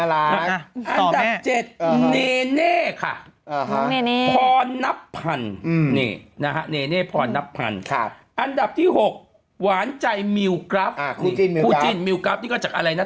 หวานใจมิวกรัฟคู่จินมิวกรัฟคู่จินมิวกรัฟนี่ก็จากอะไรนะ